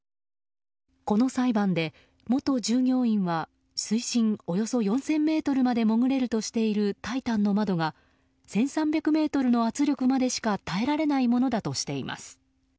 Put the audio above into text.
この裁判で元従業員は水深およそ４０００ｍまで潜れるとしている「タイタン」の窓が１３００ｍの圧力までしか耐えられないものだとしています。